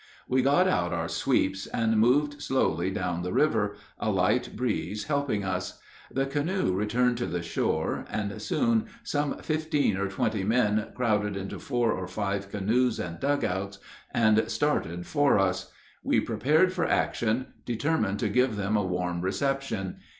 We got out our sweeps, and moved slowly down the river, a light breeze helping us. The canoe returned to the shore, and soon some fifteen or twenty men crowded into four or five canoes and dugouts, and started for us. We prepared for action, determined to give them a warm reception.